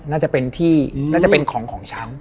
น่าจะเป็นที่น่าจะเป็นของของฉัน